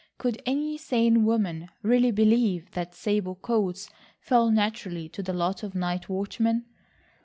Could any sane woman really believe that sable coats fell naturally to the lot of night watchmen?